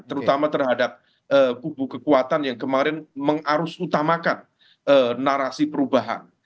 terutama terhadap kubu kekuatan yang kemarin mengarus utamakan narasi perubahan